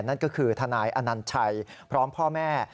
นั่นก็คือทนายอนัญชัยพร้อมพ่อแม่